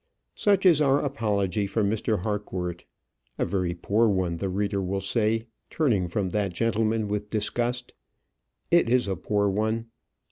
Such is our apology for Mr. Harcourt. A very poor one, the reader will say, turning from that gentleman with disgust. It is a poor one.